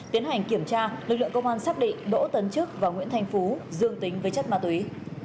tiến hành kiểm tra lực lượng công an xác định đỗ tấn trức và nguyễn thành phú dương tính với chất ma túy